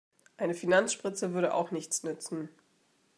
Eine Finanzspritze würde auch nichts nützen.